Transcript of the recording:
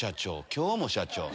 今日も社長！